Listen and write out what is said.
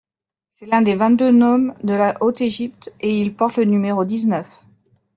C'est l'un des vingt-deux nomes de la Haute-Égypte et il porte le numéro dix-neuf.